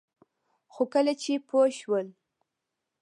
خو کله چې پوه شول